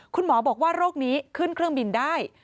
คุณหมอบอกว่าโรคนี้ขึ้นเครื่องบินได้